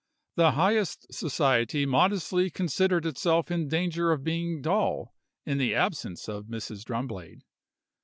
The highest society modestly considered itself in danger of being dull in the absence of Mrs. Drumblade.